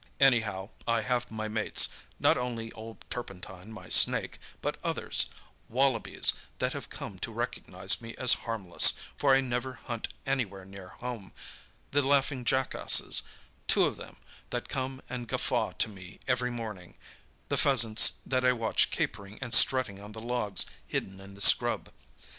Anyhow, I have my mates, not only old Turpentine, my snake, but others—wallabies that have come to recognise me as harmless, for I never hunt anywhere near home, the laughing jackasses, two of them, that come and guffaw to me every morning, the pheasants that I watch capering and strutting on the logs hidden in the scrub.